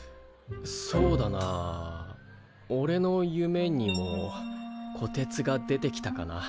そうだなおれの夢にもこてつが出てきたかな。